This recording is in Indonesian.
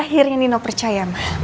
akhirnya nino percaya ma